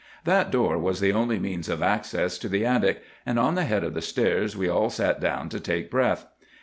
"That door was the only means of access to the attic; and on the head of the stairs we all sat down to take breath.